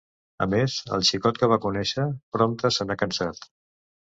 A més, el xicot que va conéixer... prompte se n’ha cansat!